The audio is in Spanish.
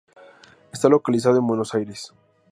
Está localizado en Buenos Aires.